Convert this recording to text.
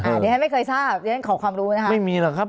เดี๋ยวให้ไม่เคยทราบขอความรู้นะคะไม่มีหรอกครับ